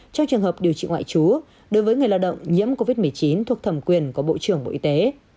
trong trường hợp điều trị ngoại trú đối với người lao động nhiễm covid một mươi chín thuộc thẩm quyền của bộ trưởng bộ y tế